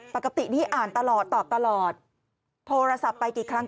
ปกตินี้อ่านตลอดตอบตลอดโทรศัพท์ไปกี่ครั้ง